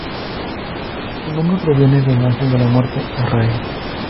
Su nombre proviene del ángel de la muerte Azrael.